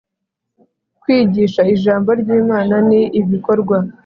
Kwigisha ijambo ry Imana ni ibikorwa